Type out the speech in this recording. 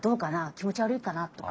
気持ち悪いかな？とか。